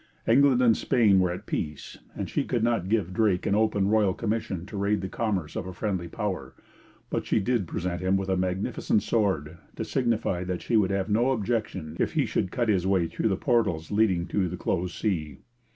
England and Spain were at peace, and she could not give Drake an open royal commission to raid the commerce of a friendly power; but she did present him with a magnificent sword, to signify that she would have no objection if he should cut his way through the portals leading to the 'closed sea.'